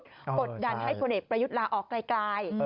กดดันให้พลเอกประยุทธ์ลาออกไกล